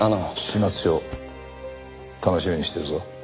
始末書楽しみにしてるぞ。